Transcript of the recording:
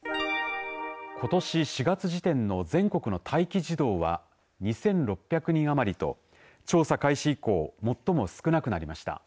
ことし４月時点の全国の待機児童は２６００人余りと調査開始以降最も少なくなりました。